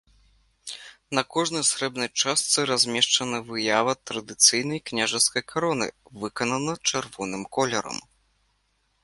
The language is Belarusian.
На кожнай срэбнай частцы размешчана выява традыцыйнай княжацкай кароны, выканана чырвоным колерам.